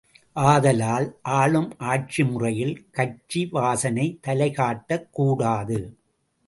ஆதலால் ஆளும் ஆட்சி முறையில் கட்சி வாசனை தலைக்காட்டக்கூடாது.